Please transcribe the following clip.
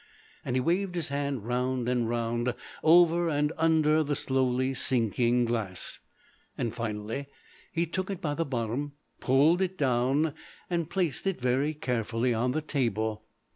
And he waved his hand round and round, over and under the slowly sinking glass. Finally, he took it by the bottom, pulled it down, and placed it very carefully on the table.